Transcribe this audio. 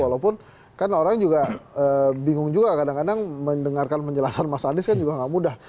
walaupun kan orang juga bingung juga kadang kadang mendengarkan penjelasan mas anies kan juga nggak mudah